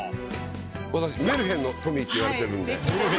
私メルヘンのトミーって言われてるんで。